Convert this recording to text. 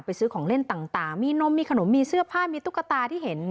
ซื้อของเล่นต่างมีนมมีขนมมีเสื้อผ้ามีตุ๊กตาที่เห็น